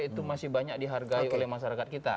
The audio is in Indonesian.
itu masih banyak dihargai oleh masyarakat kita